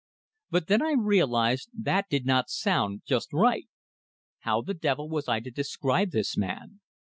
But then I realized, that did not sound just right. How the devil was I to describe this man?